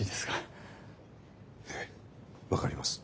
ええ分かります。